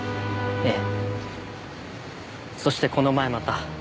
ええ？